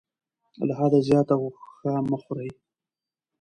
له حده زیاته غوښه مه خورئ.